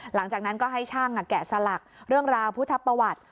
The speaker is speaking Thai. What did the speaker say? หลังจากนั้นก็ให้ช่างแกะสลักเรื่องราวพุทธประวัติ